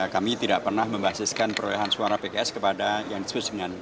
kami tidak pernah membasiskan perolahan suara pks kepada yang disusunan